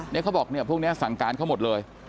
เนี่ยเขาบอกพวกนี้สั่งการเขาหมดเลย